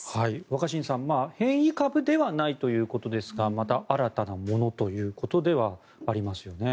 若新さん変異株ではないということですがまた新たなものということではありますよね。